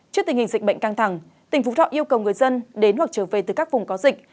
trước tình hình dịch bệnh căng thẳng tỉnh phú thọ yêu cầu người dân đến hoặc trở về từ các vùng có dịch